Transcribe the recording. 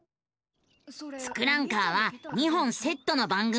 「ツクランカー」は２本セットの番組。